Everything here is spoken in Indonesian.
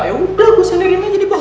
yaudah gue sendirinya jadi bahu